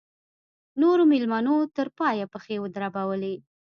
نورو مېلمنو تر پایه پښې دربولې.